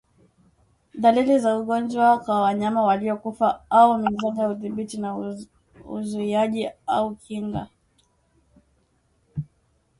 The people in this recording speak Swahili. dalili za ugonjwa kwa wanyama waliokufa au mizoga udhibiti na uzuiaji au kinga